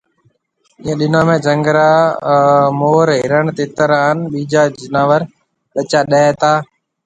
ايون ڏنون ۾ جھنگ را مرو مور، ھرڻ، تِيتر ھان ٻيجا جناور ٻچا ڏَي تا